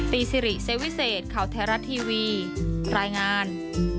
ตีซิริเซวิเซตเขาแทรรัสทีวีรายงาน